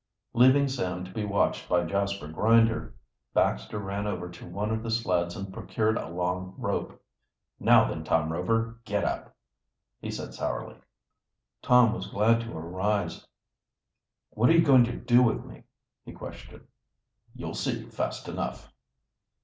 Leaving Sam to be watched by Jasper Grinder, Baxter ran over to one of the sleds and procured a long rope. "Now then, Tom Rover, get up," he said sourly. Tom was glad to arise. "What are you going to do with me?" he questioned. "You'll see fast enough."